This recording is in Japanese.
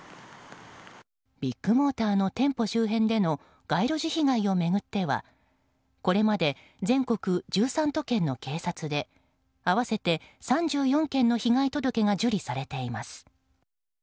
ビッグモーターの店舗周辺での街路樹被害を巡ってはこれまで全国１３都県の警察で合わせて３４件の被害届が受理されています。